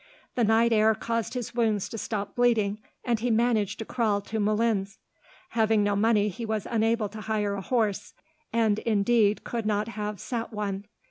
The night air caused his wounds to stop bleeding, and he managed to crawl to Moulins. Having no money, he was unable to hire a horse, and indeed could not have sat one.